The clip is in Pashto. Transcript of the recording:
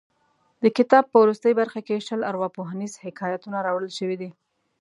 د کتاب په وروستۍ برخه کې شل ارواپوهنیز حکایتونه راوړل شوي دي.